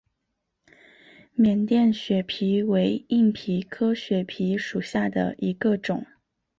缅甸血蜱为硬蜱科血蜱属下的一个种。